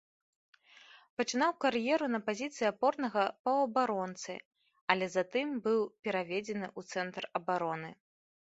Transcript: Пачынаў кар'еру на пазіцыі апорнага паўабаронцы, але затым быў пераведзены ў цэнтр абароны.